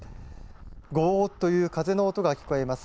ごーっという風の音が聞こえます。